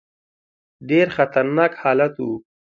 ډېر خطرناک حالت وو.